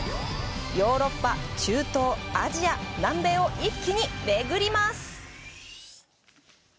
ヨーロッパ、中東、アジア、南米を一気にめぐります！